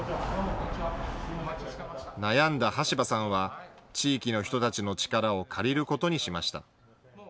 悩んだ橋場さんは地域の人たちの力を借りることにしました。